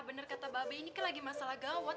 bener kata babay ini lagi masalah gawat